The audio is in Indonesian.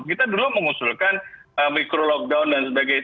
kita dulu mengusulkan micro lockdown dan sebagainya